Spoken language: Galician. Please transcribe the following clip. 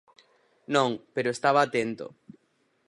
Non, pero estaba atento.